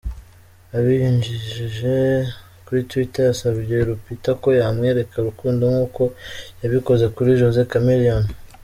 Abinyujije kuri twitter yasabye Lupita ko yamwereka urukundo nkuko yabikoze kuri Jose Chameleone .